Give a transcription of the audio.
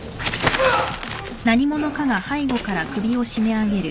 うっ。